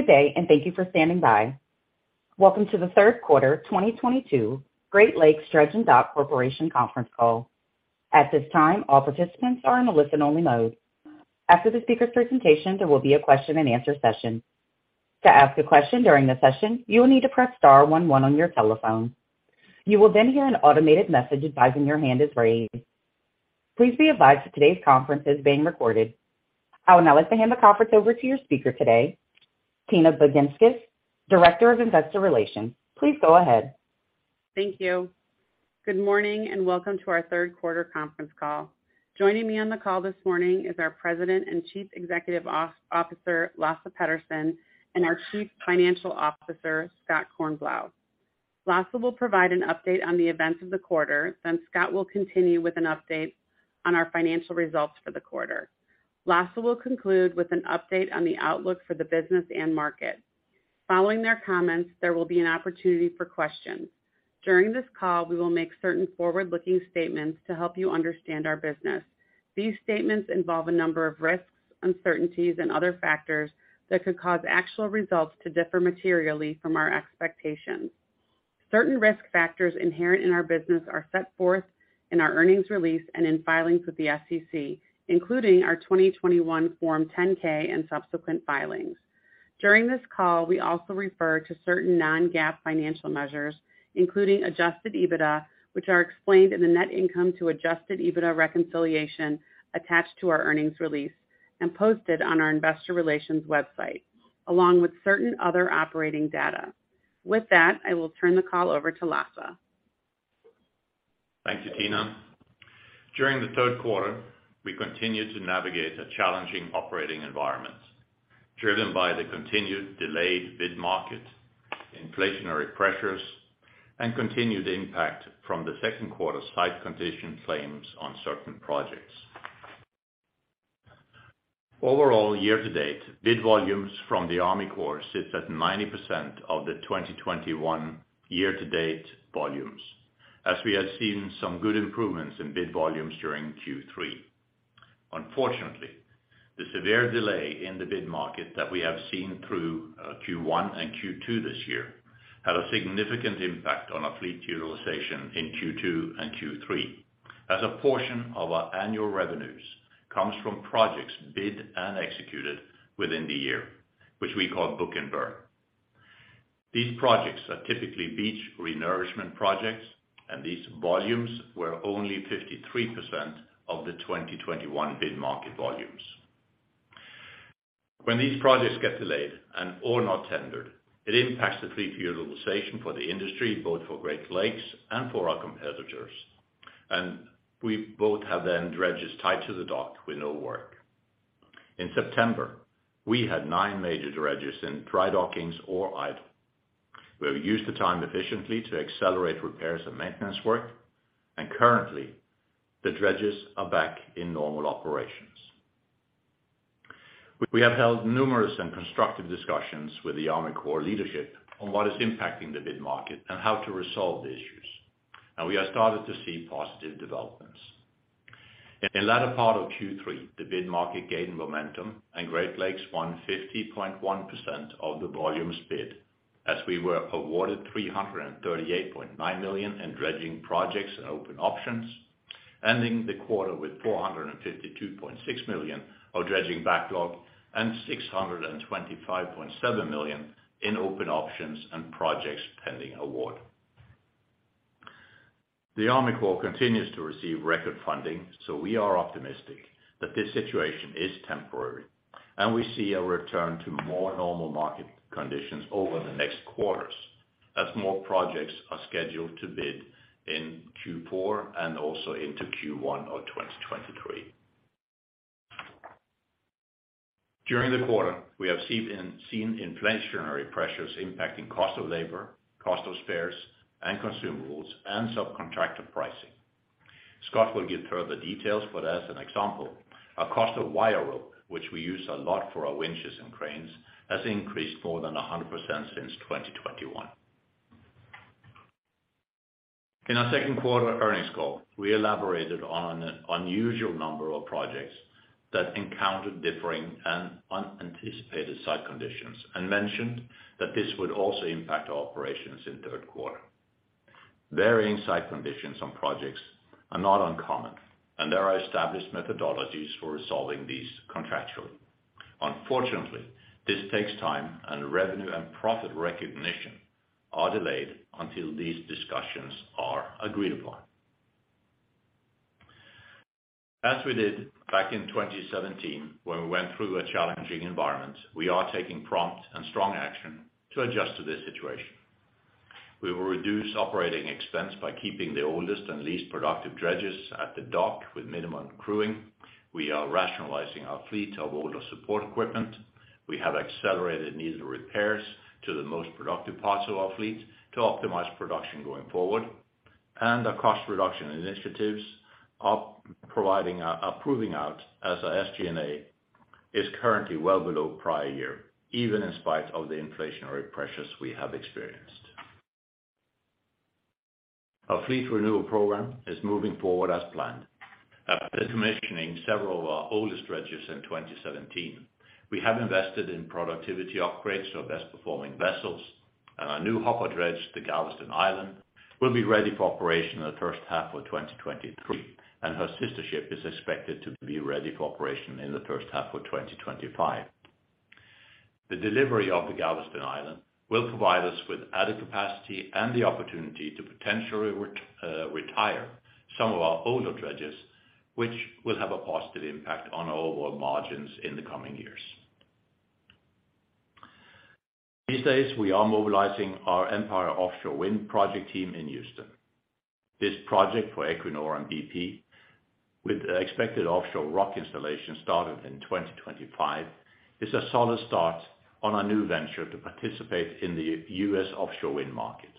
Good day, and thank you for standing by. Welcome to the third quarter 2022 Great Lakes Dredge & Dock Corporation conference call. At this time, all participants are in listen-only mode. After the speaker presentation, there will be a question-and-answer session. To ask a question during the session, you will need to press star one one on your telephone. You will then hear an automated message advising your hand is raised. Please be advised that today's conference is being recorded. I will now hand the conference over to your speaker today, Tina Baginskis, Director of Investor Relations. Please go ahead. Thank you. Good morning, and welcome to our third quarter conference call. Joining me on the call this morning is our President and Chief Executive Officer, Lasse Petterson, and our Chief Financial Officer, Scott Kornblau. Lasse will provide an update on the events of the quarter, then Scott will continue with an update on our financial results for the quarter. Lasse will conclude with an update on the outlook for the business and market. Following their comments, there will be an opportunity for questions. During this call, we will make certain forward-looking statements to help you understand our business. These statements involve a number of risks, uncertainties, and other factors that could cause actual results to differ materially from our expectations. Certain risk factors inherent in our business are set forth in our earnings release and in filings with the SEC, including our 2021 Form 10-K and subsequent filings. During this call, we also refer to certain non-GAAP financial measures, including adjusted EBITDA, which are explained in the net income to adjusted EBITDA reconciliation attached to our earnings release and posted on our investor relations website, along with certain other operating data. With that, I will turn the call over to Lasse. Thanks, Tina. During the third quarter, we continued to navigate a challenging operating environment, driven by the continued delayed bid market, inflationary pressures, and continued impact from the second quarter site condition claims on certain projects. Overall, year to date, bid volumes from the Army Corps sits at 90% of the 2021 year to date volumes, as we have seen some good improvements in bid volumes during Q3. Unfortunately, the severe delay in the bid market that we have seen through Q1 and Q2 this year had a significant impact on our fleet utilization in Q2 and Q3, as a portion of our annual revenues comes from projects bid and executed within the year, which we call book and burn. These projects are typically beach renourishment projects, and these volumes were only 53% of the 2021 bid market volumes. When these projects get delayed and/or not tendered, it impacts the fleet utilization for the industry, both for Great Lakes and for our competitors. We both have 10 dredges tied to the dock with no work. In September, we had nine major dredges in dry dockings or idle. We have used the time efficiently to accelerate repairs and maintenance work, and currently the dredges are back in normal operations. We have held numerous and constructive discussions with the Army Corps leadership on what is impacting the bid market and how to resolve the issues, and we have started to see positive developments. In the latter part of Q3, the bid market gained momentum and Great Lakes won 50.1% of the volumes bid, as we were awarded $338.9 million in dredging projects and open options, ending the quarter with $452.6 million of dredging backlog and $625.7 million in open options and projects pending award. The Army Corps continues to receive record funding, so we are optimistic that this situation is temporary and we see a return to more normal market conditions over the next quarters as more projects are scheduled to bid in Q4 and also into Q1 of 2023. During the quarter, we have seen inflationary pressures impacting cost of labor, cost of spares and consumables, and subcontractor pricing. Scott will give further details, but as an example, our cost of wire rope, which we use a lot for our winches and cranes, has increased more than 100% since 2021. In our second quarter earnings call, we elaborated on an unusual number of projects that encountered differing and unanticipated site conditions and mentioned that this would also impact our operations in third quarter. Varying site conditions on projects are not uncommon, and there are established methodologies for resolving these contractually. Unfortunately, this takes time and revenue and profit recognition are delayed until these discussions are agreed upon. As we did back in 2017 when we went through a challenging environment, we are taking prompt and strong action to adjust to this situation. We will reduce operating expense by keeping the oldest and least productive dredges at the dock with minimum crewing. We are rationalizing our fleet of older support equipment. We have accelerated needed repairs to the most productive parts of our fleet to optimize production going forward. Our cost reduction initiatives are proving out as our SG&A is currently well below prior year, even in spite of the inflationary pressures we have experienced. Our fleet renewal program is moving forward as planned. After decommissioning several of our oldest dredges in 2017, we have invested in productivity upgrades for best performing vessels, and our new hopper dredge, the Galveston Island, will be ready for operation in the first half of 2023, and her sister ship is expected to be ready for operation in the first half of 2025. The delivery of the Galveston Island will provide us with added capacity and the opportunity to potentially retire some of our older dredges, which will have a positive impact on our overall margins in the coming years. These days, we are mobilizing our Empire Wind project team in Houston. This project for Equinor and BP, with expected offshore rock installation starting in 2025, is a solid start on our new venture to participate in the U.S. offshore wind market.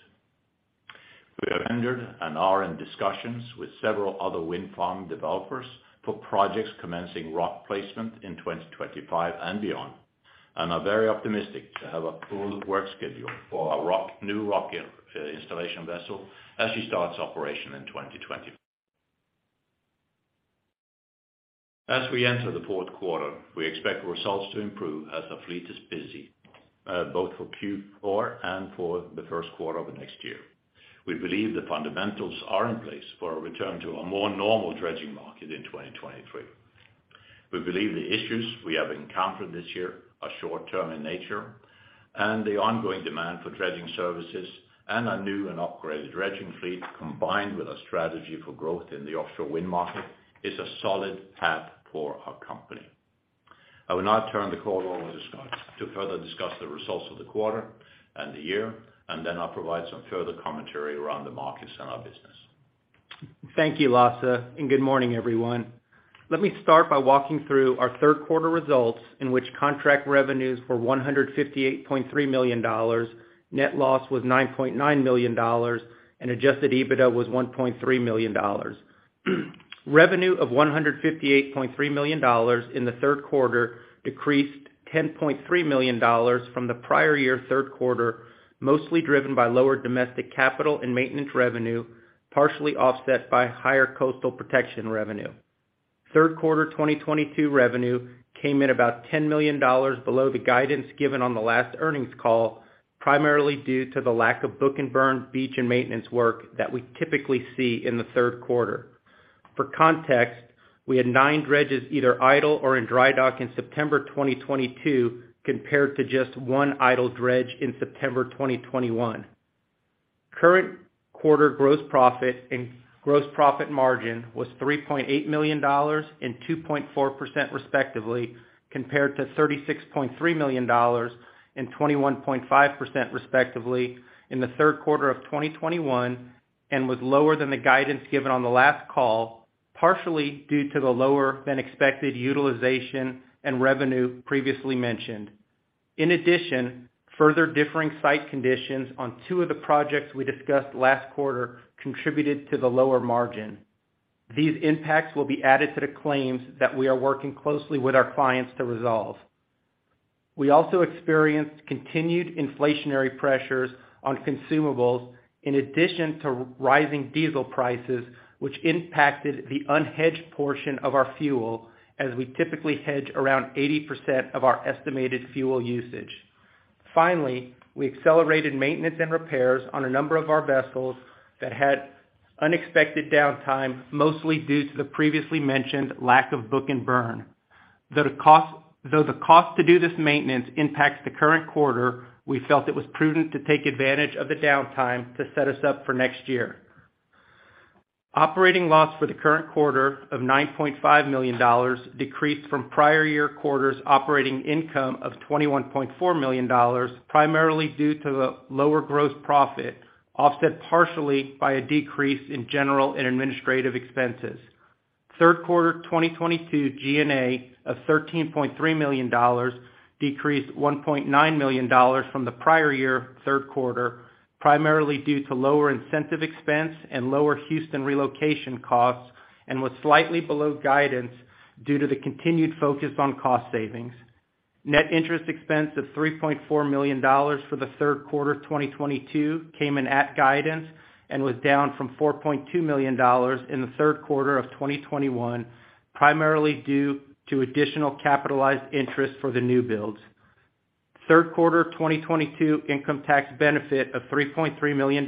We have entered and are in discussions with several other wind farm developers for projects commencing rock placement in 2025 and beyond, and are very optimistic to have a full work schedule for our new rock installation vessel as she starts operation in 2025. As we enter the fourth quarter, we expect results to improve as our fleet is busy both for Q4 and for the first quarter of next year. We believe the fundamentals are in place for a return to a more normal dredging market in 2023. We believe the issues we have encountered this year are short term in nature, and the ongoing demand for dredging services and our new and upgraded dredging fleet, combined with our strategy for growth in the offshore wind market, is a solid path for our company. I will now turn the call over to Scott to further discuss the results of the quarter and the year, and then I'll provide some further commentary around the markets and our business. Thank you, Lasse, and good morning, everyone. Let me start by walking through our third quarter results in which contract revenues were $158.3 million, net loss was $9.9 million, and adjusted EBITDA was $1.3 million. Revenue of $158.3 million in the third quarter decreased $10.3 million from the prior year third quarter, mostly driven by lower domestic capital and maintenance revenue, partially offset by higher coastal protection revenue. Third quarter 2022 revenue came in about $10 million below the guidance given on the last earnings call, primarily due to the lack of book and burn beach and maintenance work that we typically see in the third quarter. For context, we had nine dredges either idle or in dry dock in September 2022, compared to just one idle dredge in September 2021. Current quarter gross profit and gross profit margin was $3.8 million and 2.4% respectively, compared to $36.3 million and 21.5% respectively in the third quarter of 2021, and was lower than the guidance given on the last call, partially due to the lower than expected utilization and revenue previously mentioned. In addition, further differing site conditions on two of the projects we discussed last quarter contributed to the lower margin. These impacts will be added to the claims that we are working closely with our clients to resolve. We also experienced continued inflationary pressures on consumables in addition to rising diesel prices, which impacted the unhedged portion of our fuel as we typically hedge around 80% of our estimated fuel usage. Finally, we accelerated maintenance and repairs on a number of our vessels that had unexpected downtime, mostly due to the previously mentioned lack of book and burn. Though the cost to do this maintenance impacts the current quarter, we felt it was prudent to take advantage of the downtime to set us up for next year. Operating loss for the current quarter of $9.5 million decreased from prior year quarter's operating income of $21.4 million, primarily due to the lower gross profit, offset partially by a decrease in general and administrative expenses. Third quarter 2022 G&A of $13.3 million decreased $1.9 million from the prior year third quarter, primarily due to lower incentive expense and lower Houston relocation costs, and was slightly below guidance due to the continued focus on cost savings. Net interest expense of $3.4 million for the third quarter 2022 came in at guidance and was down from $4.2 million in the third quarter of 2021, primarily due to additional capitalized interest for the new builds. Third quarter 2022 income tax benefit of $3.3 million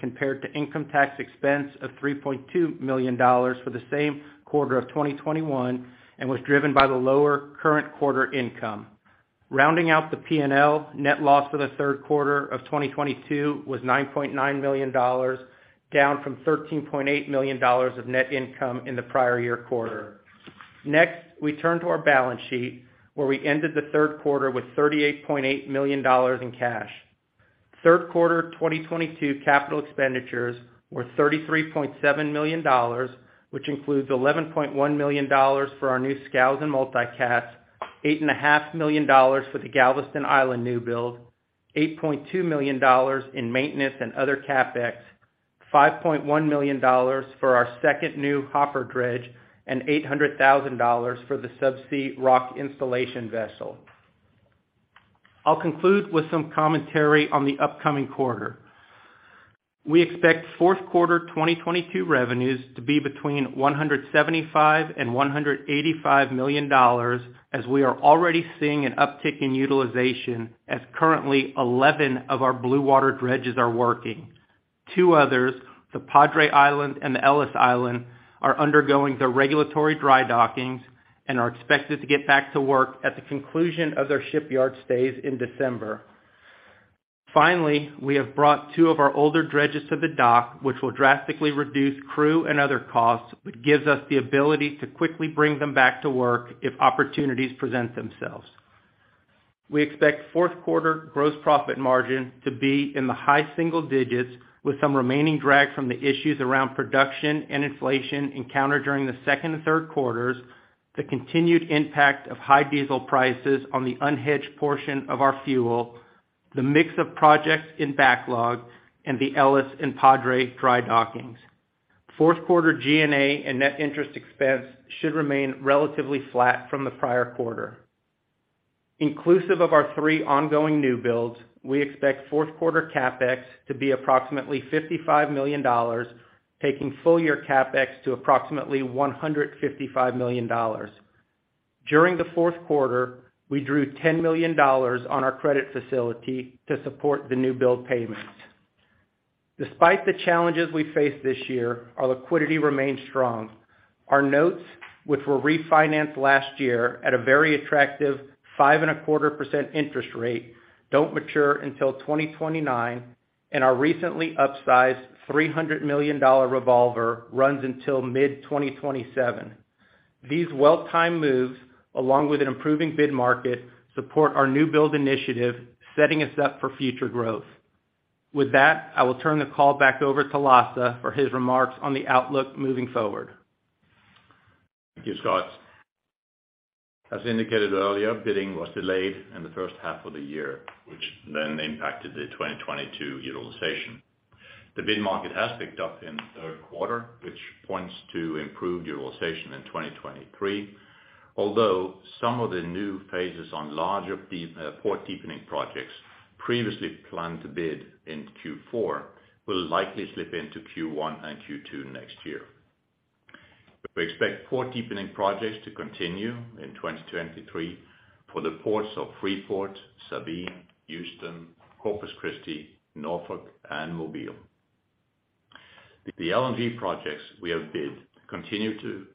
compared to income tax expense of $3.2 million for the same quarter of 2021, and was driven by the lower current quarter income. Rounding out the P&L, net loss for the third quarter of 2022 was $9.9 million, down from $13.8 million of net income in the prior year quarter. Next, we turn to our balance sheet, where we ended the third quarter with $38.8 million in cash. Third quarter 2022 capital expenditures were $33.7 million, which includes $11.1 million for our new scows and multi-cats, $8.5 million for the Galveston Island new build, $8.2 million in maintenance and other CapEx, $5.1 million for our second new hopper dredge, and $800,000 for the subsea rock installation vessel. I'll conclude with some commentary on the upcoming quarter. We expect fourth quarter 2022 revenues to be between $175 million and $185 million, as we are already seeing an uptick in utilization, as currently 11 of our blue water dredges are working. Two others, the Padre Island and the Ellis Island, are undergoing the regulatory dry dockings and are expected to get back to work at the conclusion of their shipyard stays in December. Finally, we have brought two of our older dredges to the dock, which will drastically reduce crew and other costs, which gives us the ability to quickly bring them back to work if opportunities present themselves. We expect fourth quarter gross profit margin to be in the high single digits, with some remaining drag from the issues around production and inflation encountered during the second and third quarters, the continued impact of high diesel prices on the unhedged portion of our fuel, the mix of projects in backlog, and the Ellis and Padre dry dockings. Fourth quarter G&A and net interest expense should remain relatively flat from the prior quarter. Inclusive of our three ongoing new builds, we expect fourth quarter CapEx to be approximately $55 million, taking full year CapEx to approximately $155 million. During the fourth quarter, we drew $10 million on our credit facility to support the new build payments. Despite the challenges we face this year, our liquidity remains strong. Our notes, which were refinanced last year at a very attractive 5.25% interest rate, don't mature until 2029, and our recently upsized $300 million revolver runs until mid-2027. These well-timed moves, along with an improving bid market, support our new build initiative, setting us up for future growth. With that, I will turn the call back over to Lasse for his remarks on the outlook moving forward. Thank you, Scott. As indicated earlier, bidding was delayed in the first half of the year, which then impacted the 2022 utilization. The bid market has picked up in the third quarter, which points to improved utilization in 2023. Although some of the new phases on larger port deepening projects previously planned to bid in Q4 will likely slip into Q1 and Q2 next year. We expect port deepening projects to continue in 2023 for the ports of Freeport, Sabine, Houston, Corpus Christi, Norfolk, and Mobile. The LNG projects we have bid continue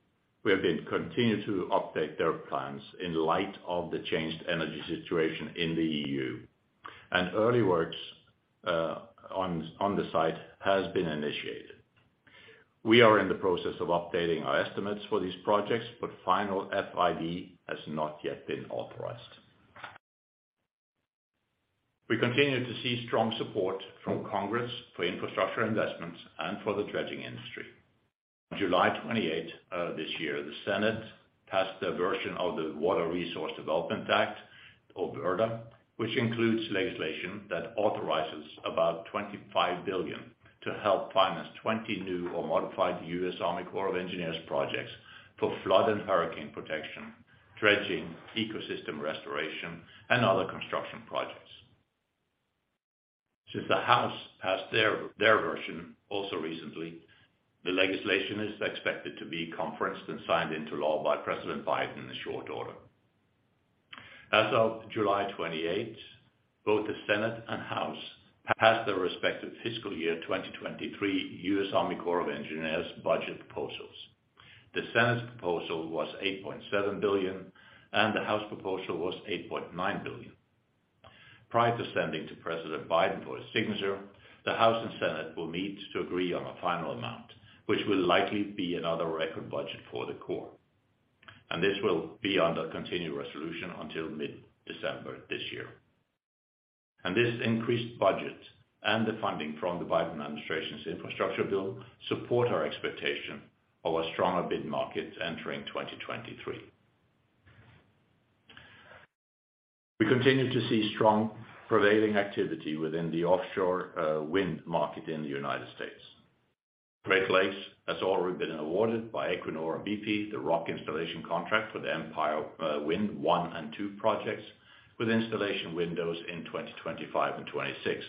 to update their plans in light of the changed energy situation in the EU. Early works on the site has been initiated. We are in the process of updating our estimates for these projects, but final FID has not yet been authorized. We continue to see strong support from Congress for infrastructure investments and for the dredging industry. On July 28 this year, the Senate passed a version of the Water Resources Development Act, or WRDA, which includes legislation that authorizes about $25 billion to help finance 20 new or modified U.S. Army Corps of Engineers projects for flood and hurricane protection, dredging, ecosystem restoration, and other construction projects. Since the House passed their version also recently, the legislation is expected to be conferenced and signed into law by President Biden in short order. As of July 28, both the Senate and House passed their respective fiscal year 2023 U.S. Army Corps of Engineers budget proposals. The Senate's proposal was $8.7 billion, and the House proposal was $8.9 billion. Prior to sending to President Biden for his signature, the House and Senate will meet to agree on a final amount, which will likely be another record budget for the Corps. This will be under continued resolution until mid-December this year. This increased budget and the funding from the Biden administration's infrastructure bill support our expectation of a stronger bid market entering 2023. We continue to see strong prevailing activity within the offshore wind market in the United States. Great Lakes has already been awarded by Equinor and BP, the rock installation contract for the Empire Wind one and two projects, with installation windows in 2025 and 2026,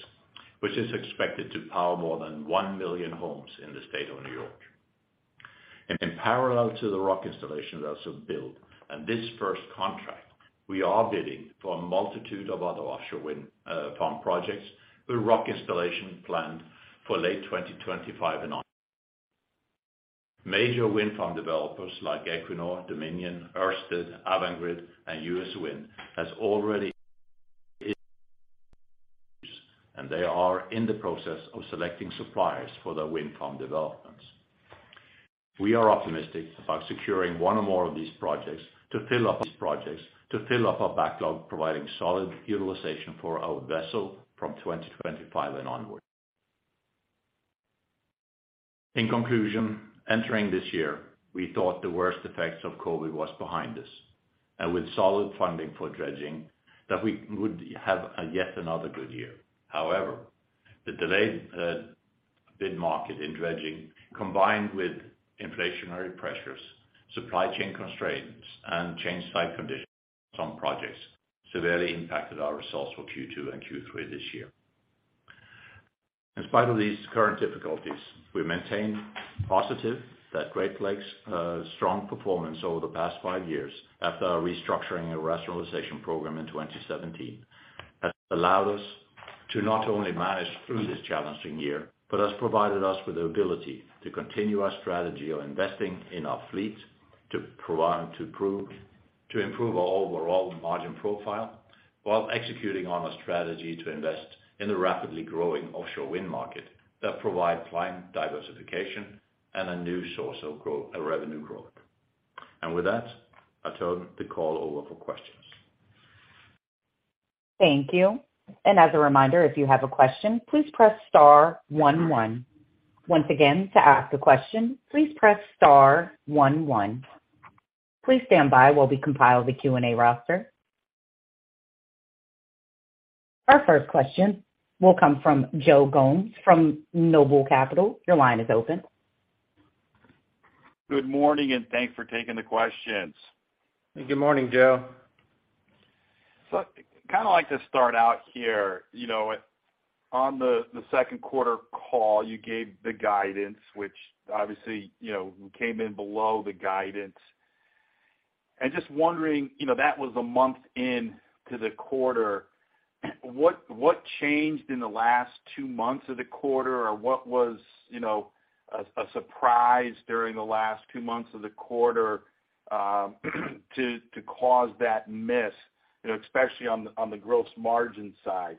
which is expected to power more than 1 million homes in the State of New York. In parallel to the rock installation vessel build and this first contract, we are bidding for a multitude of other offshore wind farm projects with rock installation planned for late 2025 and on. Major wind farm developers like Equinor, Dominion, Ørsted, Avangrid, and US Wind has already and they are in the process of selecting suppliers for their wind farm developments. We are optimistic about securing one or more of these projects to fill up these projects, to fill up our backlog, providing solid utilization for our vessel from 2025 and onward. In conclusion, entering this year, we thought the worst effects of COVID was behind us, and with solid funding for dredging, that we would have yet another good year. However, the delayed bid market in dredging, combined with inflationary pressures, supply chain constraints, and changed site conditions on projects severely impacted our results for Q2 and Q3 this year. In spite of these current difficulties, we remain positive that Great Lakes strong performance over the past five years after our restructuring and rationalization program in 2017 has allowed us to not only manage through this challenging year, but has provided us with the ability to continue our strategy of investing in our fleet to improve our overall margin profile while executing on a strategy to invest in the rapidly growing offshore wind market that provide client diversification and a new source of revenue growth. With that, I turn the call over for questions. Thank you. As a reminder, if you have a question, please press star one one. Once again, to ask a question, please press star one one. Please stand by while we compile the Q&A roster. Our first question will come from Joe Gomes from Noble Capital Markets. Your line is open. Good morning, and thanks for taking the questions. Good morning, Joe. Kind of like to start out here. You know, on the second quarter call, you gave the guidance, which obviously, you know, came in below the guidance. I'm just wondering, you know, that was a month into the quarter, what changed in the last two months of the quarter? Or what was, you know, a surprise during the last two months of the quarter, to cause that miss, you know, especially on the gross margin side?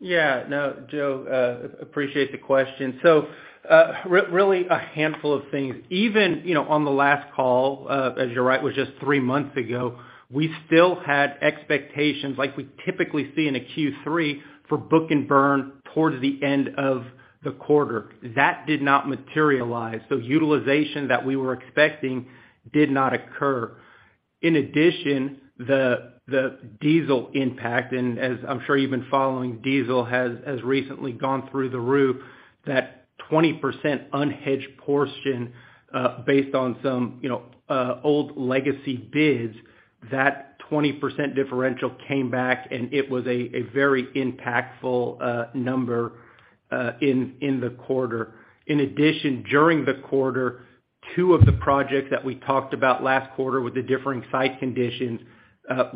Yeah. No, Joe, appreciate the question. Really a handful of things. Even, you know, on the last call, as you're right, was just three months ago, we still had expectations like we typically see in a Q3 for book and burn towards the end of the quarter. That did not materialize. Utilization that we were expecting did not occur. The diesel impact, and as I'm sure you've been following, diesel has recently gone through the roof. That 20% unhedged portion, based on some, you know, old legacy bids, that 20% differential came back, and it was a very impactful number in the quarter. During the quarter, two of the projects that we talked about last quarter with the differing site conditions,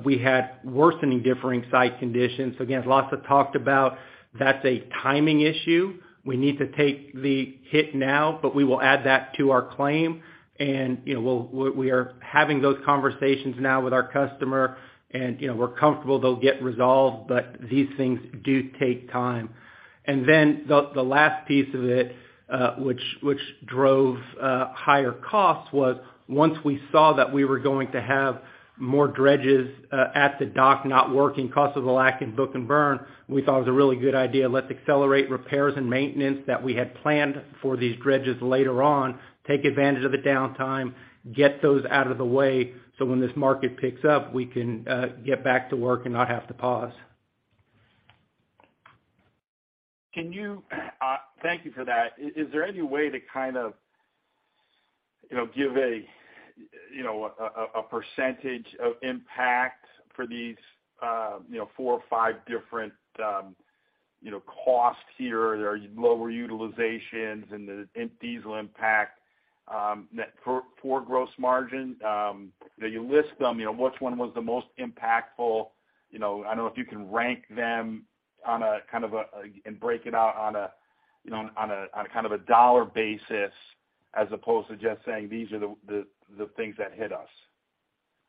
we had worsening differing site conditions. Again, Lasse talked about that's a timing issue. We need to take the hit now, but we will add that to our claim. You know, we are having those conversations now with our customer and, you know, we're comfortable they'll get resolved, but these things do take time. The last piece of it, which drove higher costs was once we saw that we were going to have more dredges at the dock not working due to the lack of book and burn, we thought it was a really good idea, let's accelerate repairs and maintenance that we had planned for these dredges later on, take advantage of the downtime, get those out of the way, so when this market picks up, we can get back to work and not have to pause. Thank you for that. Is there any way to kind of, you know, give a, you know, a percentage of impact for these, you know, four or five different, you know, costs here or lower utilizations and the diesel impact, for gross margin? You list them, you know, which one was the most impactful? You know, I don't know if you can rank them on a kind of a and break it out on a, you know, on a kind of a dollar basis as opposed to just saying these are the things that hit us.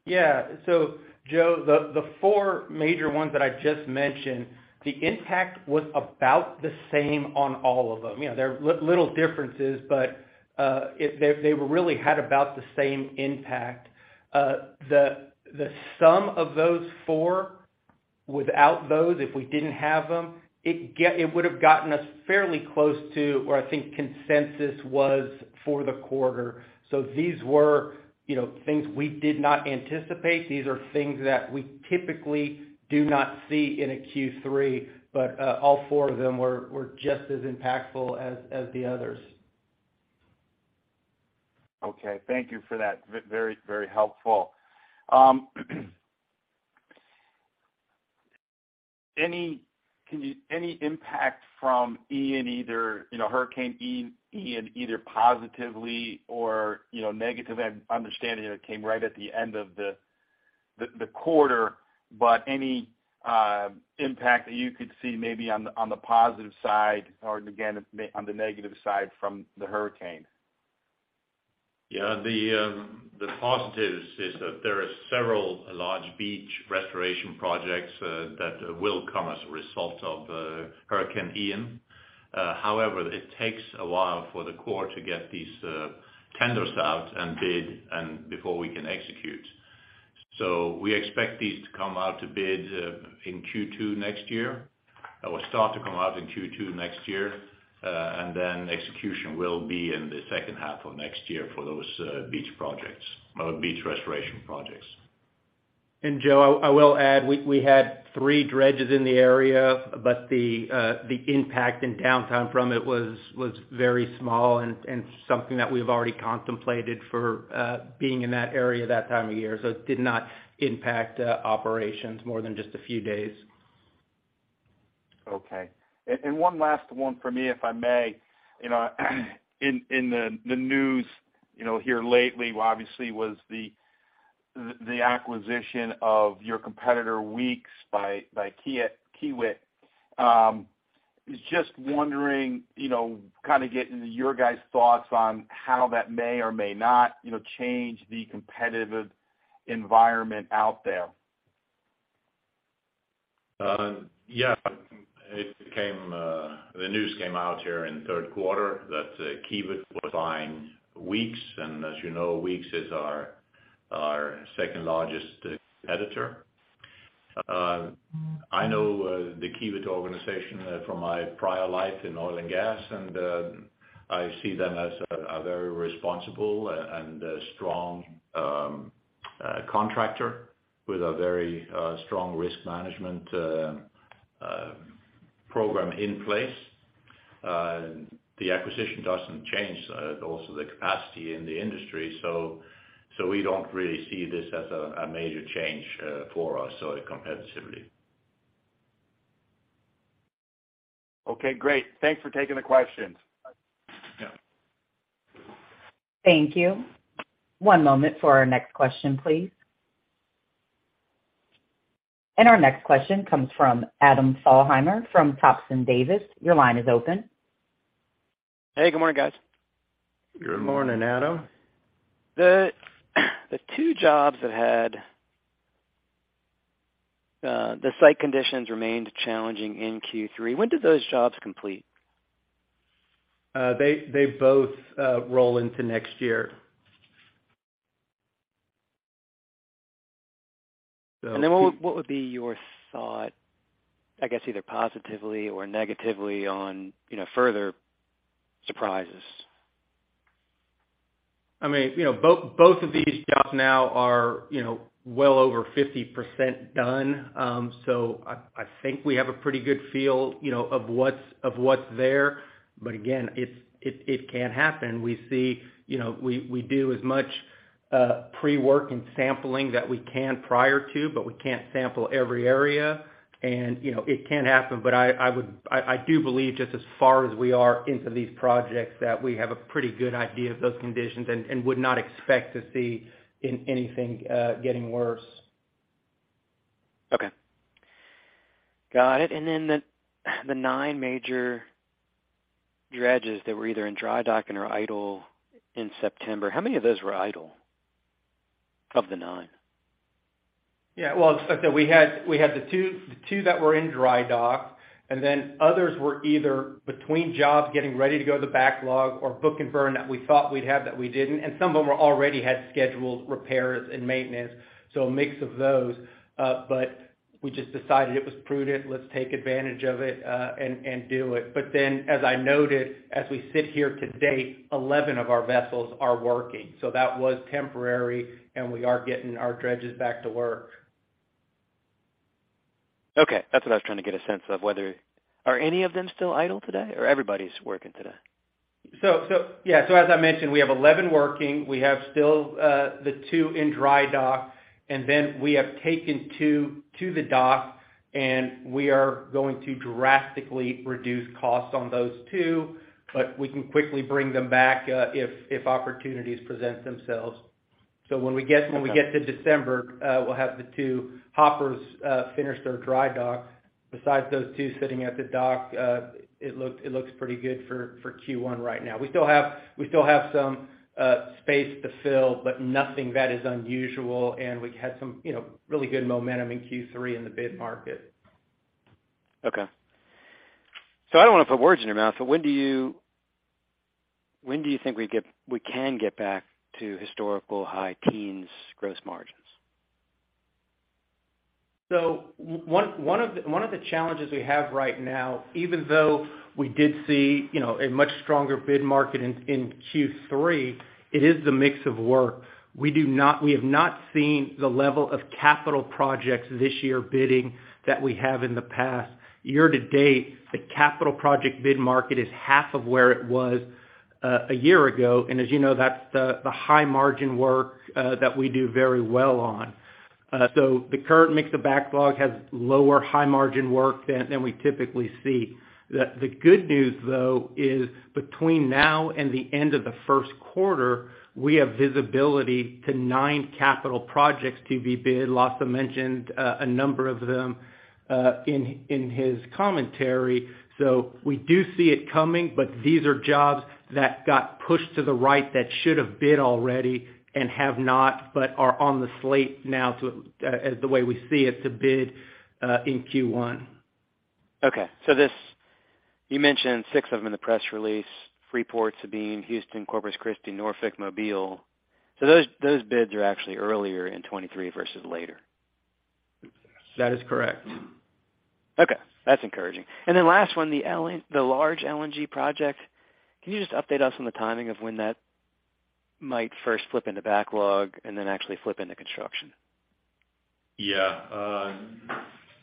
Yeah. Joe, the four major ones that I just mentioned, the impact was about the same on all of them. There are little differences, but they really had about the same impact. The sum of those four without those, if we didn't have them, it would have gotten us fairly close to where I think consensus was for the quarter. These were things we did not anticipate. These are things that we typically do not see in a Q3, all four of them were just as impactful as the others. Okay. Thank you for that. Very helpful. Any impact from Ian either, you know, Hurricane Ian either positively or, you know, negative? I'm understanding that it came right at the end of the quarter, but any impact that you could see maybe on the positive side or again, on the negative side from the hurricane? Yeah. The positive is that there are several large beach restoration projects that will come as a result of Hurricane Ian. However, it takes a while for the Corps to get these tenders out and bid and before we can execute. We expect these to come out to bid in Q2 next year. That will start to come out in Q2 next year, and then execution will be in the second half of next year for those beach projects or beach restoration projects. Joe, I will add, we had three dredges in the area, but the impact and downtime from it was very small and something that we've already contemplated for being in that area that time of year. It did not impact operations more than just a few days. Okay. One last one for me, if I may. You know, in the news here lately, obviously, was the acquisition of your competitor Weeks by Kiewit. I was just wondering, you know, kind of getting your guys' thoughts on how that may or may not, you know, change the competitive environment out there. Yeah. The news came out here in the third quarter that Kiewit was buying Weeks. As you know, Weeks is our second largest competitor. I know the Kiewit organization from my prior life in oil and gas, and I see them as a very responsible and a strong contractor with a very strong risk management program in place. The acquisition doesn't change also the capacity in the industry, so we don't really see this as a major change for us, so competitively. Okay, great. Thanks for taking the questions. Yeah. Thank you. One moment for our next question, please. Our next question comes from Adam Thalhimer from Thompson Davis. Your line is open. Hey, good morning, guys. Good morning, Adam. Good morning. The two jobs that had the site conditions remained challenging in Q3, when did those jobs complete? They both roll into next year. What would be your thought, I guess, either positively or negatively on, you know, further surprises? I mean, you know, both of these jobs now are, you know, well over 50% done. I think we have a pretty good feel, you know, of what's there. Again, it can happen. We see, you know, we do as much pre-work and sampling that we can prior to, but we can't sample every area and, you know, it can happen. I would, I do believe just as far as we are into these projects, that we have a pretty good idea of those conditions and would not expect to see anything getting worse. Okay. Got it. The nine major dredges that were either in dry dock and are idle in September, how many of those were idle, of the nine? Yeah. Well, like I said, we had the two that were in dry dock, and then others were either between jobs, getting ready to go to the backlog or book and burn that we thought we'd have, that we didn't, and some of them were already had scheduled repairs and maintenance. A mix of those. We just decided it was prudent, let's take advantage of it, and do it. As I noted, as we sit here to date, 11 of our vessels are working. That was temporary, and we are getting our dredges back to work. Okay. That's what I was trying to get a sense of. Are any of them still idle today or everybody's working today? Yeah. As I mentioned, we have 11 working. We have still the two in dry dock, and then we have taken two to the dock, and we are going to drastically reduce costs on those two. We can quickly bring them back if opportunities present themselves. When we get. Okay. When we get to December, we'll have the two hoppers finish their dry dock. Besides those two sitting at the dock, it looks pretty good for Q1 right now. We still have some space to fill, but nothing that is unusual. We had some, you know, really good momentum in Q3 in the bid market. Okay. I don't wanna put words in your mouth, but when do you think we can get back to historical high teens gross margins? One of the challenges we have right now, even though we did see, you know, a much stronger bid market in Q3, it is the mix of work. We have not seen the level of capital projects this year bidding that we have in the past. Year to date, the capital project bid market is half of where it was a year ago. As you know, that's the high margin work that we do very well on. The current mix of backlog has lower high margin work than we typically see. The good news though is between now and the end of the first quarter, we have visibility to nine capital projects to be bid. Lasse mentioned a number of them in his commentary. We do see it coming, but these are jobs that got pushed to the right that should have bid already and have not, but are on the slate now to, as the way we see it, to bid in Q1. You mentioned six of them in the press release, three ports being Houston, Corpus Christi, Norfolk, Mobile. Those bids are actually earlier in 2023 versus later? That is correct. Okay, that's encouraging. Last one, the large LNG project. Can you just update us on the timing of when that might first flip into backlog and then actually flip into construction? Yeah.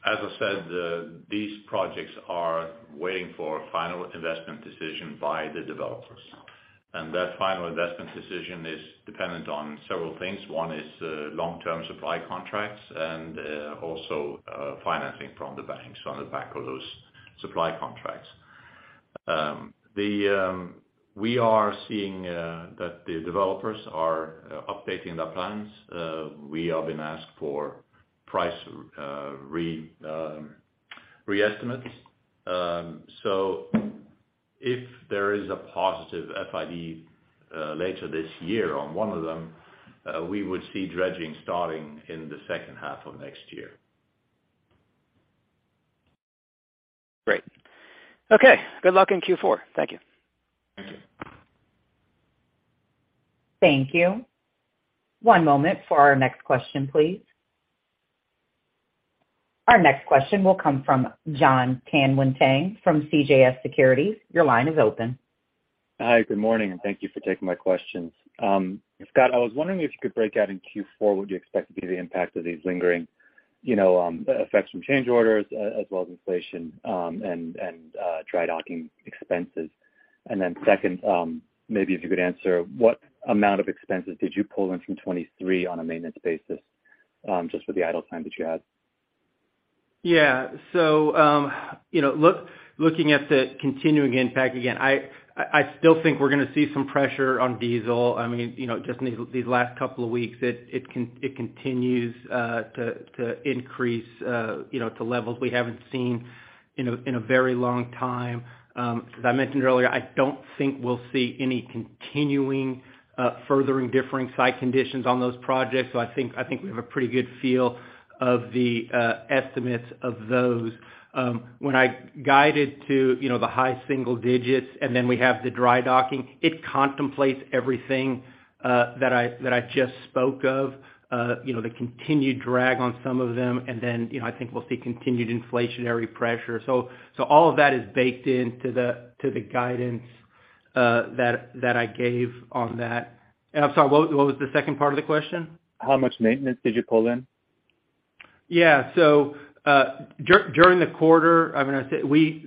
As I said, these projects are waiting for final investment decision by the developers. That final investment decision is dependent on several things. One is, long-term supply contracts and, also, financing from the banks on the back of those supply contracts. We are seeing that the developers are updating their plans. We have been asked for price re-estimates. If there is a positive FID, later this year on one of them, we would see dredging starting in the second half of next year. Great. Okay. Good luck in Q4. Thank you. Thank you. Thank you. One moment for our next question, please. Our next question will come from Jon Tanwanteng from CJS Securities. Your line is open. Hi, good morning, and thank you for taking my questions. Scott, I was wondering if you could break out in Q4 what you expect to be the impact of these lingering, you know, effects from change orders, as well as inflation, and dry docking expenses. Second, maybe if you could answer what amount of expenses did you pull in from 2023 on a maintenance basis, just for the idle time that you had? Yeah. You know, looking at the continuing impact, again, I still think we're gonna see some pressure on diesel. I mean, you know, just in these last couple of weeks, it continues to increase, you know, to levels we haven't seen in a very long time. As I mentioned earlier, I don't think we'll see any continuing further differing site conditions on those projects. I think we have a pretty good feel of the estimates of those. When I guided to, you know, the high single digits, and then we have the dry docking, it contemplates everything, that I just spoke of. You know, the continued drag on some of them and then, you know, I think we'll see continued inflationary pressure. All of that is baked into the guidance that I gave on that. I'm sorry, what was the second part of the question? How much maintenance did you pull in? During the quarter, I mean, I said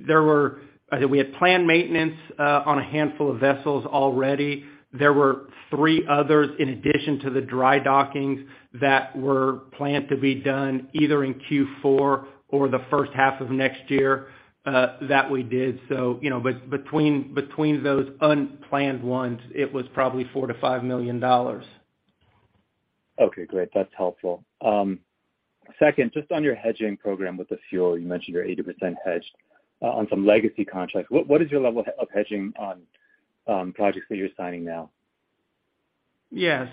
there were, I think we had planned maintenance on a handful of vessels already. There were three others in addition to the dry dockings that were planned to be done either in Q4 or the first half of next year that we did. You know, but between those unplanned ones, it was probably $4 million-$5 million. Okay, great. That's helpful. Second, just on your hedging program with the fuel, you mentioned you're 80% hedged on some legacy contracts. What is your level of hedging on projects that you're signing now? Yeah.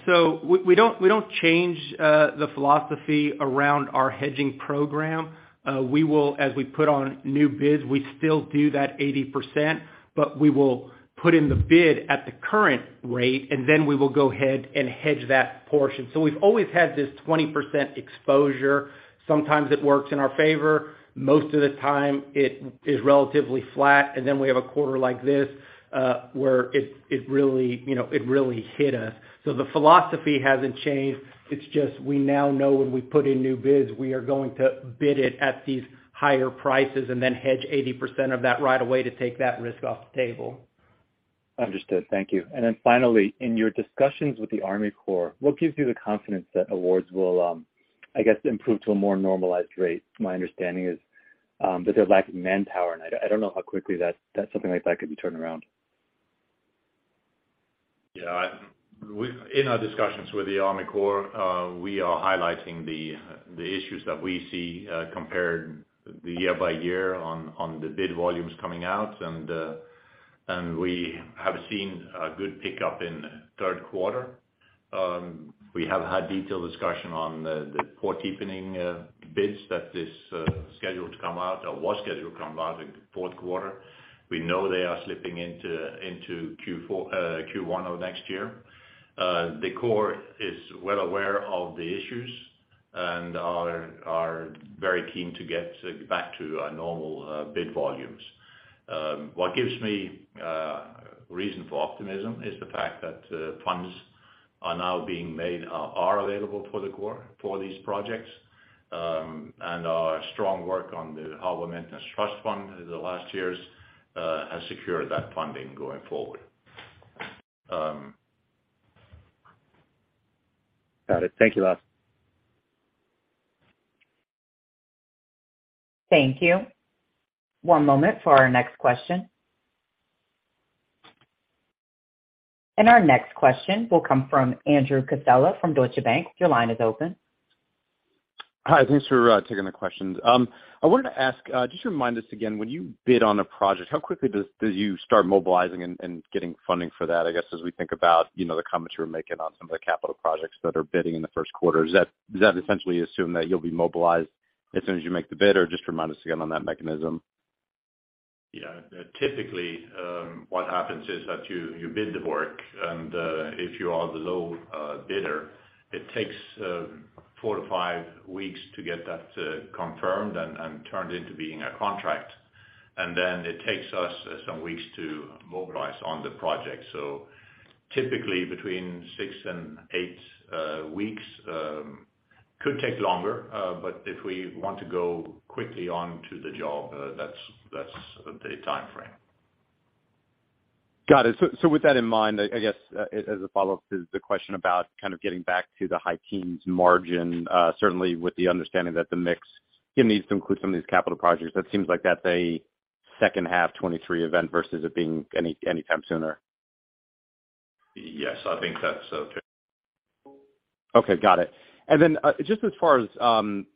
We don't change the philosophy around our hedging program. We will, as we put on new bids, still do that 80%, but we will put in the bid at the current rate, and then we will go ahead and hedge that portion. We've always had this 20% exposure. Sometimes it works in our favor. Most of the time it is relatively flat. Then we have a quarter like this, where it really, you know, hit us. The philosophy hasn't changed. It's just we now know when we put in new bids, we are going to bid it at these higher prices and then hedge 80% of that right away to take that risk off the table. Understood. Thank you. Finally, in your discussions with the Army Corps, what gives you the confidence that awards will, I guess, improve to a more normalized rate? My understanding is, that they're lacking manpower, and I don't know how quickly that something like that could be turned around. Yeah. In our discussions with the Army Corps, we are highlighting the issues that we see compared to the year-over-year on the bid volumes coming out. We have seen a good pickup in third quarter. We have had detailed discussion on the port deepening bids that is scheduled to come out or was scheduled to come out in fourth quarter. We know they are slipping into Q1 of next year. The Corps is well aware of the issues and are very keen to get back to our normal bid volumes. What gives me reason for optimism is the fact that funds are now being made available for the Corps for these projects, and our strong work on the Harbor Maintenance Trust Fund in the last years has secured that funding going forward. Got it. Thank you, Lasse. Thank you. One moment for our next question. Our next question will come from Andrew Casella from Deutsche Bank. Your line is open. Hi. Thanks for taking the questions. I wanted to ask, just remind us again, when you bid on a project, how quickly do you start mobilizing and getting funding for that, I guess, as we think about, you know, the comments you were making on some of the capital projects that are bidding in the first quarter. Is that essentially assume that you'll be mobilized as soon as you make the bid? Or just remind us again on that mechanism. Yeah. Typically, what happens is that you bid the work and, if you are the low bidder, it takes four to five weeks to get that confirmed and turned into being a contract. Then it takes us some weeks to mobilize on the project. Typically, between six and eight weeks. Could take longer, but if we want to go quickly on to the job, that's the timeframe. Got it. With that in mind, I guess, as a follow-up to the question about kind of getting back to the high-teens margin, certainly with the understanding that the mix needs to include some of these capital projects, that seems like that's a second half 2023 event versus it being anytime sooner. Yes, I think that's okay. Okay, got it. Just as far as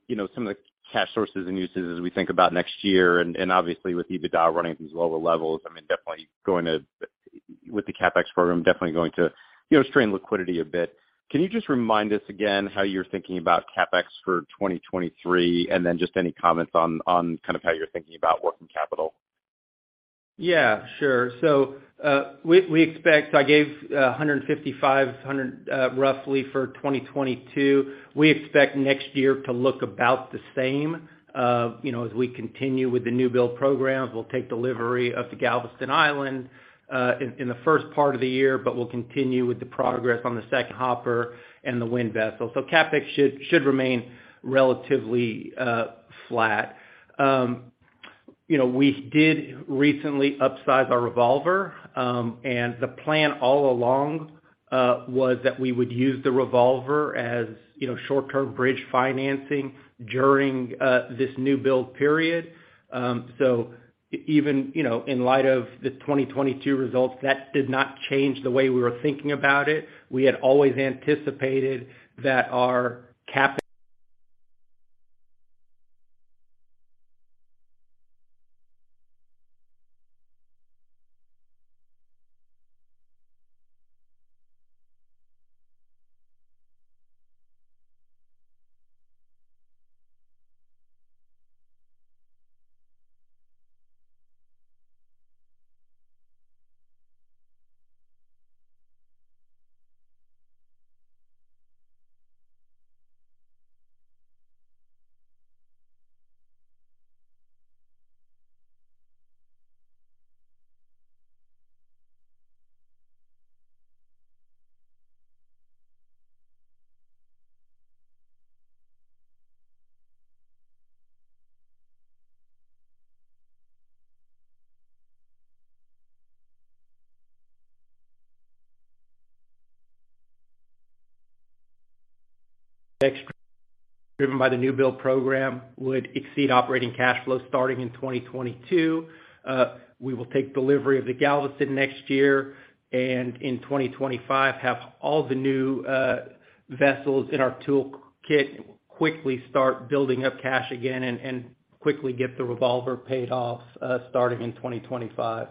you know, some of the cash sources and uses as we think about next year and obviously with EBITDA running at these lower levels, I mean, with the CapEx program definitely going to, you know, strain liquidity a bit. Can you just remind us again how you're thinking about CapEx for 2023, and then just any comments on kind of how you're thinking about working capital? Yeah, sure. I gave $155, $100 roughly for 2022. We expect next year to look about the same, you know, as we continue with the new build programs. We'll take delivery of the Galveston Island in the first part of the year, but we'll continue with the progress on the second hopper and the wind vessel. CapEx should remain relatively flat. You know, we did recently upsize our revolver, and the plan all along was that we would use the revolver as, you know, short-term bridge financing during this new build period. Even, you know, in light of the 2022 results, that did not change the way we were thinking about it. We had always anticipated that our CapEx driven by the new build program would exceed operating cash flow starting in 2022. We will take delivery of the Galveston next year, and in 2025, have all the new vessels in our toolkit quickly start building up cash again and quickly get the revolver paid off, starting in 2025.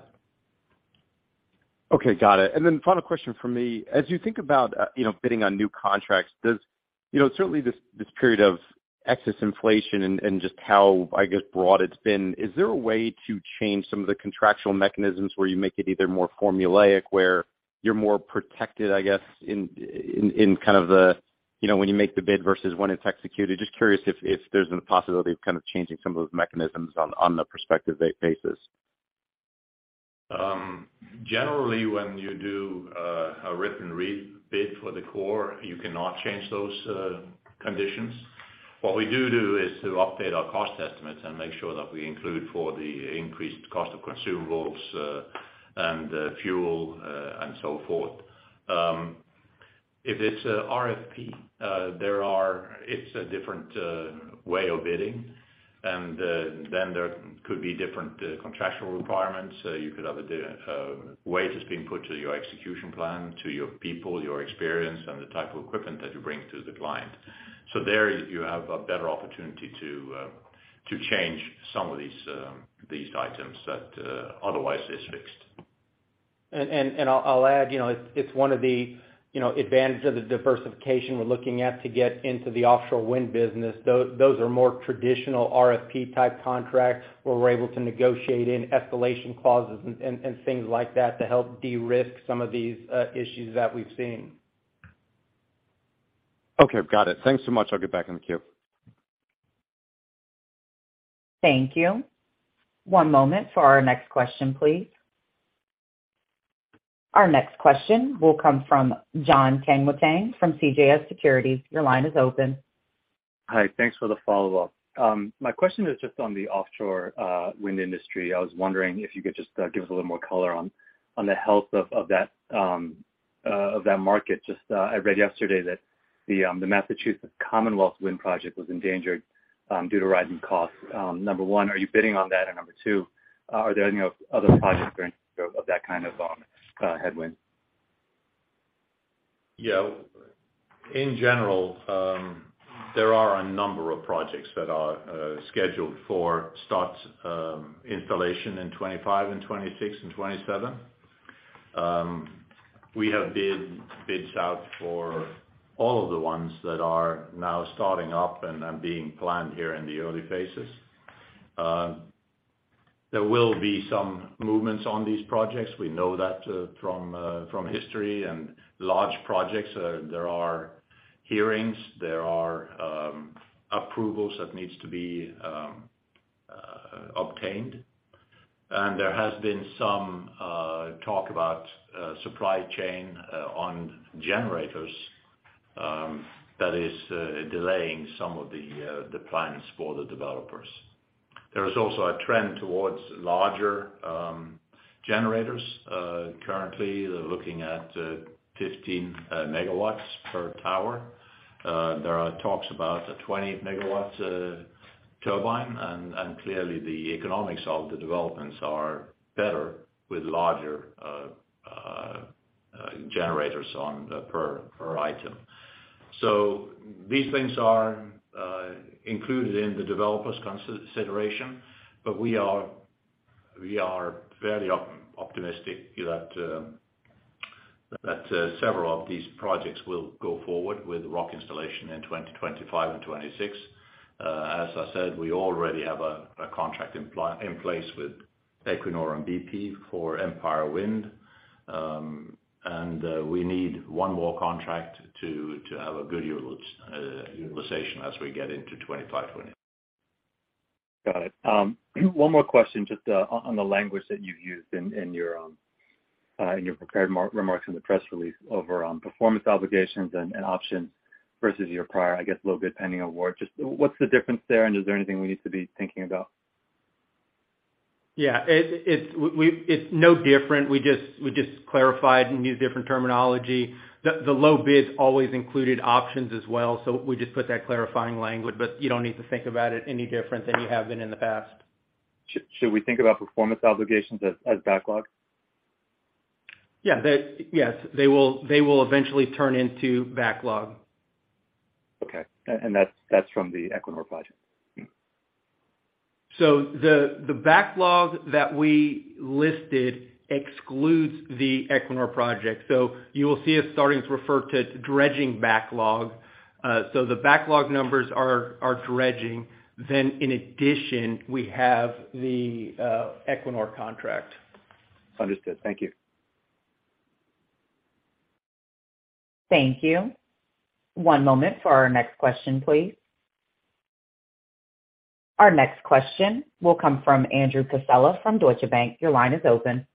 Okay. Got it. Then final question from me. As you think about, you know, bidding on new contracts, you know, certainly this period of excess inflation and just how, I guess, broad it's been, is there a way to change some of the contractual mechanisms where you make it either more formulaic, where you're more protected, I guess, in kind of the, you know, when you make the bid versus when it's executed? Just curious if there's a possibility of kind of changing some of those mechanisms on the prospective basis. Generally, when you do a written rebid for the Corps, you cannot change those conditions. What we do is to update our cost estimates and make sure that we include for the increased cost of consumables, and fuel, and so forth. If it's a RFP, it's a different way of bidding, and then there could be different contractual requirements. You could have a weight that's being put to your execution plan, to your people, your experience, and the type of equipment that you bring to the client. There, you have a better opportunity to change some of these items that otherwise is fixed. I'll add, you know, it's one of the, you know, advantages of the diversification we're looking at to get into the offshore wind business. Those are more traditional RFP-type contracts, where we're able to negotiate in escalation clauses and things like that to help de-risk some of these issues that we've seen. Okay. Got it. Thanks so much. I'll get back in the queue. Thank you. One moment for our next question, please. Our next question will come from Jon Tanwanteng from CJS Securities. Your line is open. Hi. Thanks for the follow-up. My question is just on the offshore wind industry. I was wondering if you could just give us a little more color on the health of that market. Just, I read yesterday that the Massachusetts Commonwealth Wind project was endangered due to rising costs. Number one, are you bidding on that? Number two, are there any other projects that are in scope of that kind of headwind? Yeah. In general, there are a number of projects that are scheduled for start installation in 2025 and 2026 and 2027. We have bid out for all of the ones that are now starting up and being planned here in the early phases. There will be some movements on these projects. We know that from history and large projects. There are hearings, there are approvals that needs to be obtained. There has been some talk about supply chain on generators that is delaying some of the plans for the developers. There is also a trend towards larger generators. Currently, they're looking at 15 MW per tower. There are talks about a 20 MW turbine and clearly the economics of the developments are better with larger generators on per item. These things are included in the developer's consideration, but we are fairly optimistic that several of these projects will go forward with rock installation in 2025 and 2026. As I said, we already have a contract in place with Equinor and BP for Empire Wind. We need one more contract to have a good utilization as we get into 2025, 2026. Got it. One more question, just on the language that you used in your prepared remarks in the press release over performance obligations and options versus your prior, I guess, low bid pending award. Just what's the difference there, and is there anything we need to be thinking about? Yeah. It's no different. We just clarified and used different terminology. The low bids always included options as well, so we just put that clarifying language. You don't need to think about it any different than you have been in the past. Should we think about performance obligations as backlog? Yes. They will eventually turn into backlog. That's from the Equinor project. The backlog that we listed excludes the Equinor project. You will see us starting to refer to dredging backlog. The backlog numbers are dredging. In addition, we have the Equinor contract. Understood. Thank you. Thank you. One moment for our next question, please. Our next question will come from Andrew Casella from Deutsche Bank. Your line is open.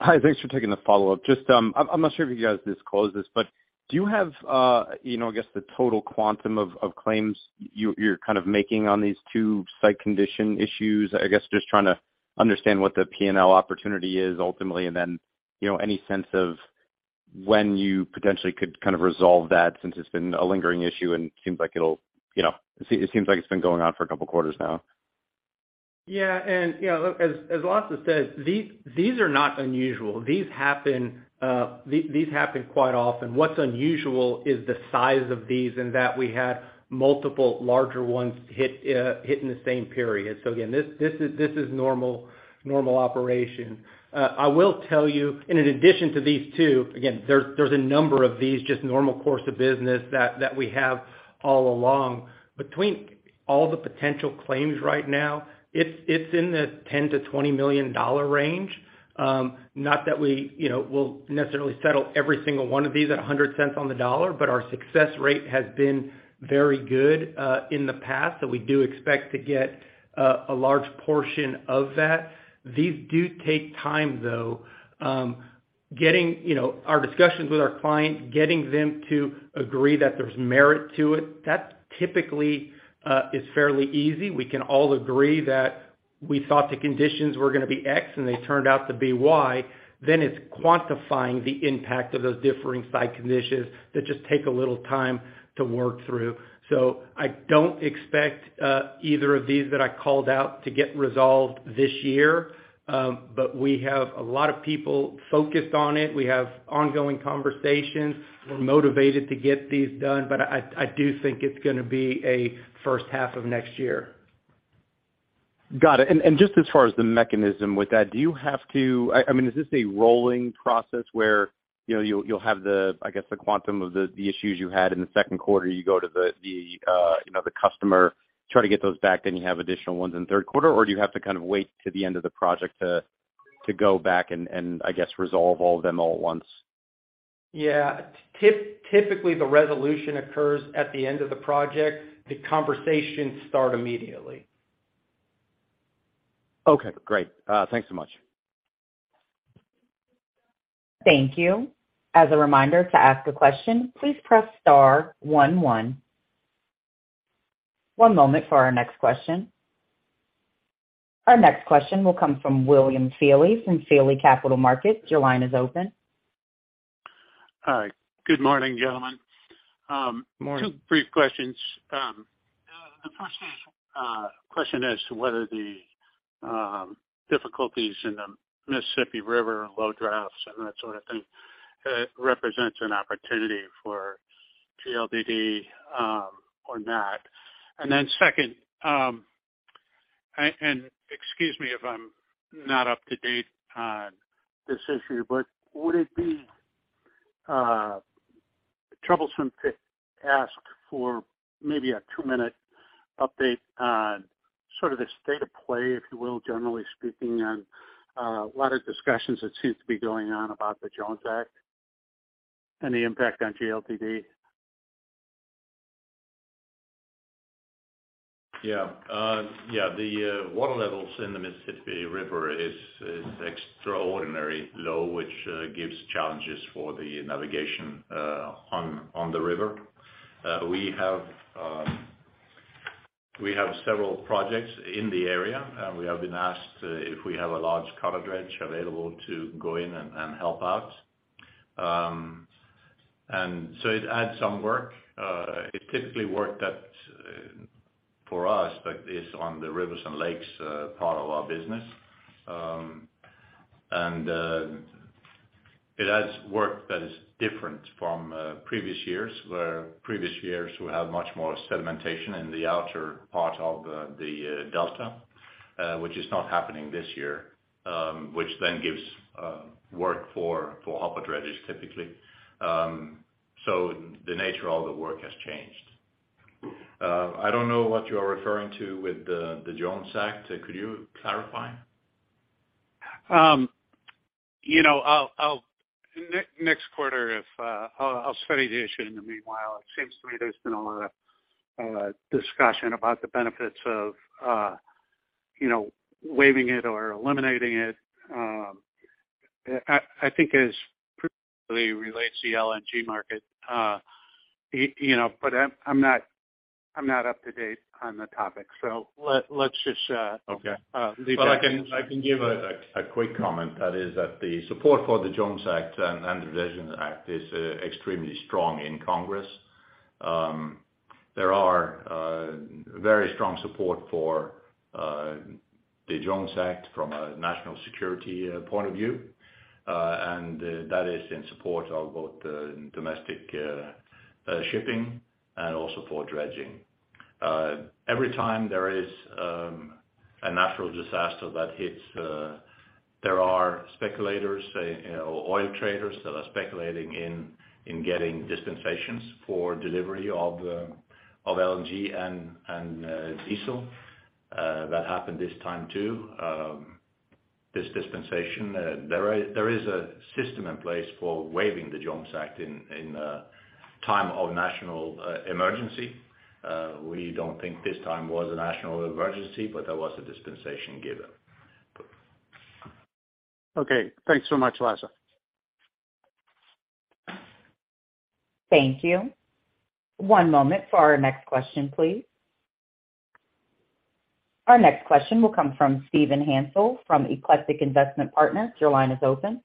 Hi. Thanks for taking the follow-up. Just, I'm not sure if you guys disclosed this, but do you have, you know, I guess, the total quantum of claims you're kind of making on these two site condition issues? I guess just trying to understand what the P&L opportunity is ultimately. Then, you know, any sense of when you potentially could kind of resolve that since it's been a lingering issue and seems like it'll, you know. It seems like it's been going on for a couple quarters now. Yeah. You know, look, as Lasse has said, these are not unusual. These happen quite often. What's unusual is the size of these and that we had multiple larger ones hit in the same period. Again, this is normal operation. I will tell you, and in addition to these two, again, there's a number of this just normal course of business that we have all along. Between all the potential claims right now, it's in the $10 million-$20 million range. Not that we, you know, will necessarily settle every single one of these at $1.00 But our success rate has been very good in the past, so we do expect to get a large portion of that. These do take time, though. You know, our discussions with our client, getting them to agree that there's merit to it, that typically is fairly easy. We can all agree that we thought the conditions were gonna be X and they turned out to be Y. It's quantifying the impact of those differing site conditions that just take a little time to work through. I don't expect either of these that I called out to get resolved this year, but we have a lot of people focused on it. We have ongoing conversations. We're motivated to get these done, but I do think it's gonna be a first half of next year. Got it. Just as far as the mechanism with that, I mean, is this a rolling process, where you know you'll have, I guess, the quantum of the issues you had in the second quarter, you go to the you know the customer, try to get those back, then you have additional ones in the third quarter? Or do you have to kind of wait till the end of the project to go back and I guess resolve all of them at once? Yeah. Typically, the resolution occurs at the end of the project. The conversations start immediately. Okay. Great. Thanks so much. Thank you. As a reminder, to ask a question, please press star one one. One moment for our next question. Our next question will come from William Feeley from Feeley Capital Markets. Your line is open. Hi. Good morning, gentlemen. Morning. Two brief questions. The first question is whether the difficulties in the Mississippi River, low drafts and that sort of thing, represents an opportunity for GLDD, or not. Then second, Excuse me if I'm not up to date on this issue, but would it be troublesome to ask for maybe a two-minute update on sort of the state of play, if you will, generally speaking, on a lot of discussions that seems to be going on about the Jones Act and the impact on GLDD? Yeah. The water levels in the Mississippi River is extraordinarily low, which gives challenges for the navigation on the river. We have several projects in the area, and we have been asked if we have a large cutter dredge available to go in and help out. It adds some work. It typically work that's for us, but is on the rivers and lakes part of our business. It adds work that is different from previous years, where previous years we have much more sedimentation in the outer part of the delta, which is not happening this year, which then gives work for hopper dredges typically. The nature of the work has changed. I don't know what you're referring to with the Jones Act. Could you clarify? You know, next quarter I'll study the issue. In the meanwhile, it seems to me there's been a lot of discussion about the benefits of you know, waiving it or eliminating it. I think it is primarily relates to the LNG market. You know, I'm not up to date on the topic, so let's just. Okay. Leave that. I can give a quick comment that the support for the Jones Act and the Vessel Documentation Act is extremely strong in Congress. There are very strong support for the Jones Act from a national security point of view, and that is in support of both the domestic shipping and also for dredging. Every time there is a natural disaster that hits, there are speculators say, you know, oil traders that are speculating in getting dispensations for delivery of LNG and diesel, that happened this time too. This dispensation, there is a system in place for waiving the Jones Act in time of national emergency. We don't think this time was a national emergency, but there was a dispensation given. Okay. Thanks so much, Lasse. Thank you. One moment for our next question, please. Our next question will come from Stephen Hansel from Eclectic Investment Partners. Your line is open.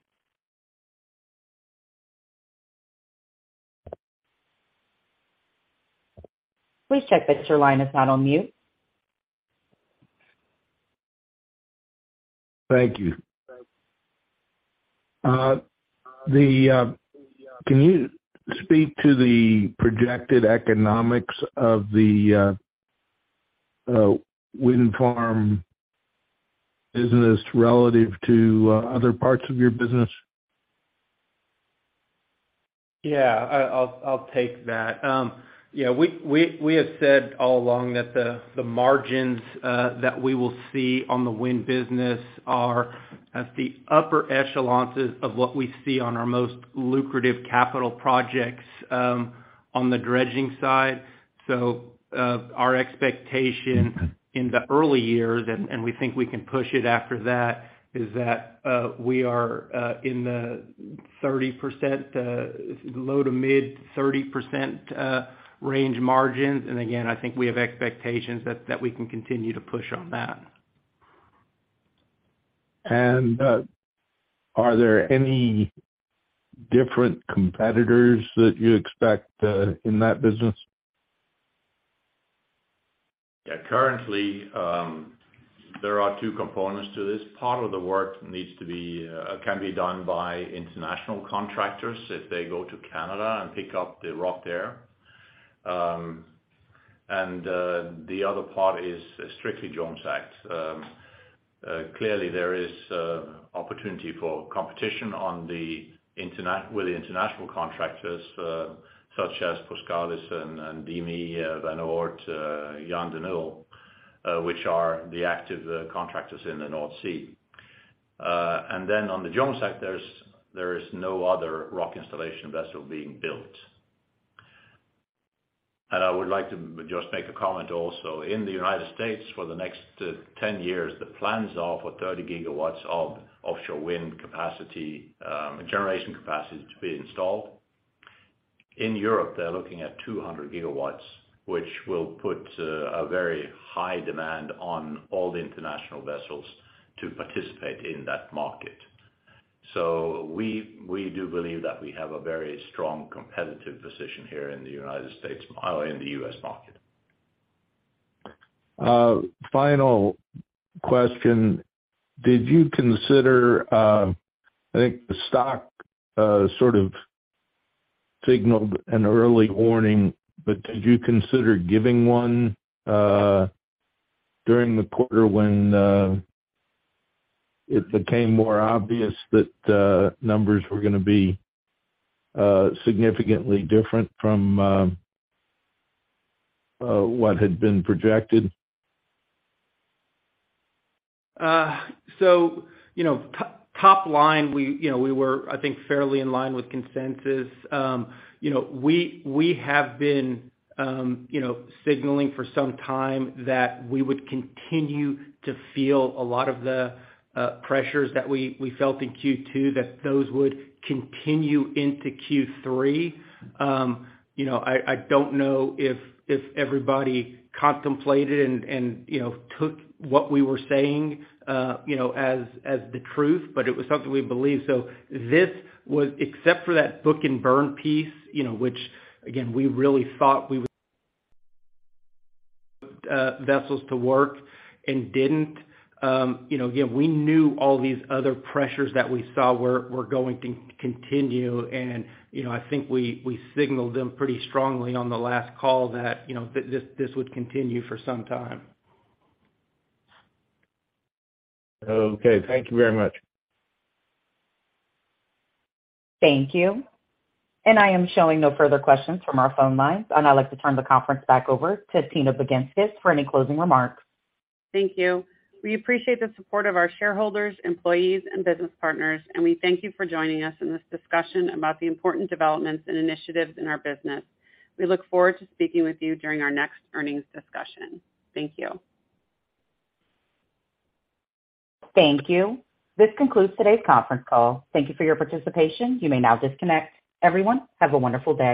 Please check that your line is not on mute. Thank you. Can you speak to the projected economics of the wind farm business relative to other parts of your business? Yeah. I'll take that. Yeah, we have said all along that the margins that we will see on the wind business are at the upper echelons of what we see on our most lucrative capital projects on the dredging side. Our expectation in the early years, and we think we can push it after that, is that we are in the 30%, low- to mid-30% range margins. Again, I think we have expectations that we can continue to push on that. Are there any different competitors that you expect in that business? Yeah. Currently, there are two components to this. Part of the work can be done by international contractors if they go to Canada and pick up the rock there. The other part is strictly Jones Act. Clearly, there is opportunity for competition with the international contractors, such as Boskalis and DEME, Van Oord, Jan De Nul, which are the active contractors in the North Sea. Then on the Jones Act, there is no other rock installation vessel being built. I would like to just make a comment also. In the United States for the next 10 years, the plans are for 30 GW of offshore wind capacity, generation capacity to be installed. In Europe, they're looking at 200 GW, which will put a very high demand on all the international vessels to participate in that market. We do believe that we have a very strong competitive position here in the United States, in the U.S. market. Final question: Did you consider, I think the stock sort of signaled an early warning, but did you consider giving one during the quarter when it became more obvious that numbers were gonna be significantly different from what had been projected? You know, top line we were, I think, fairly in line with consensus. You know, we have been you know, signaling for some time that we would continue to feel a lot of the pressures that we felt in Q2, that those would continue into Q3. You know, I don't know if everybody contemplated and you know, took what we were saying you know, as the truth, but it was something we believed. This was except for that book and burn piece, you know, which again, we really thought we would vessels to work and didn't, you know, again, we knew all these other pressures that we saw were going to continue and, you know, I think we signaled them pretty strongly on the last call that, you know, that this would continue for some time. Okay. Thank you very much. Thank you. I am showing no further questions from our phone lines. I'd now like to turn the conference back over to Tina Baginskis for any closing remarks. Thank you. We appreciate the support of our shareholders, employees, and business partners, and we thank you for joining us in this discussion about the important developments and initiatives in our business. We look forward to speaking with you during our next earnings discussion. Thank you. Thank you. This concludes today's conference call. Thank you for your participation. You may now disconnect. Everyone, have a wonderful day.